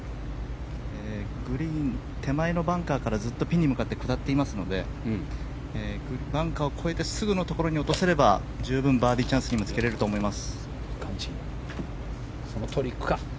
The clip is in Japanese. グリーン手前のバンカーからずっとピンに向かって下っていますのでバンカーを越えてすぐのところに落とせれば十分、バーディーチャンスにつけれると思います。